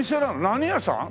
何屋さん？